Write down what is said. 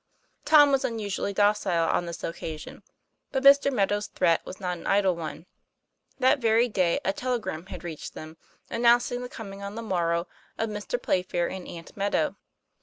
Tom was unusually docile on this occasion. But Mr. Meadow's threat was not an idle one. That very day a telegram had reached them, announcing the coming on the morrow of Mr. Playfair and Aunt Meadow.